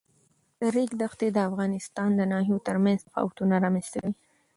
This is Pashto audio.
د ریګ دښتې د افغانستان د ناحیو ترمنځ تفاوتونه رامنځ ته کوي.